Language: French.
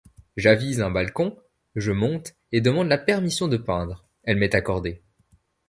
J'avise un balcon, je monte et demande la permission de peindre, elle m'est accordée.